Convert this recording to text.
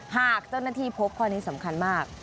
หากเจ้าหน้าที่พบข้อนี้สำคัญมาก